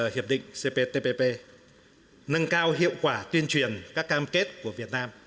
hiệp định cptpp nâng cao hiệu quả tuyên truyền các cam kết của việt nam